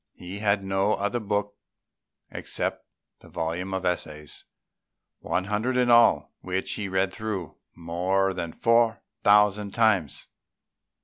He had no other book except the volume of essays, one hundred in all, which he read through more than four thousand times.